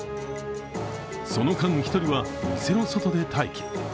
その間、１人は店の外で待機。